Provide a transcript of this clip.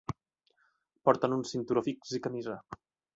Porten un cinturó fix i camisa.